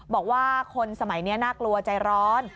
บอกว่าคนสมัยนี้น่ากลัวใจร้อน